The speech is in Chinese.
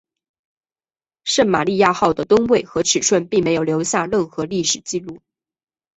圣玛利亚号的吨位和尺寸并没有留下任何历史记录。